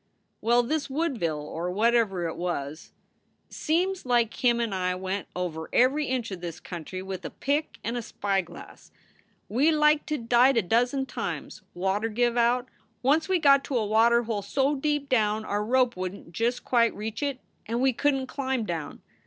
"Well, this Woodville, or whatever it was, seems like him and I went over every inch of this country with a pick and a spyglass. We like to died a dozen times water give out. Once we got to a water hole so deep down our rope wouldn t just quite reach it, and we couldn t climb down.